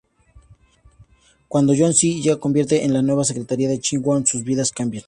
Cuando Yoon-yi se convierte en la nueva secretaria de Chi-won, sus vidas cambian.